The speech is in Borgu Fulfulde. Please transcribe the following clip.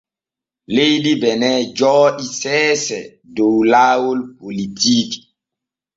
Leydi Bene jooɗii seese dow laawol politiiki.